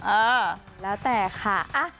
เออแล้วแต่ค่ะ